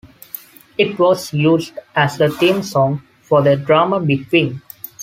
It was used as the theme song for the drama "Big Wing".